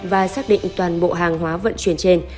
và xác định toàn bộ hàng hóa vận chuyển trên